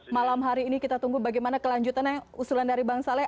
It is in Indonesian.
malam hari ini kita tunggu bagaimana kelanjutannya usulan dari bang saleh